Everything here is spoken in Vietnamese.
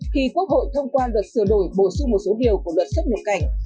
khi quốc hội thông qua luật sửa đổi bổ sung một số điều của luật xuất nhập cảnh